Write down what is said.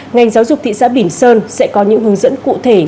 ngành giáo dục thị xã bỉm sơn sẽ có những hướng dẫn cụ thể